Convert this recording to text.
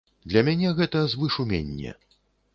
Для мяне гэта звышуменне.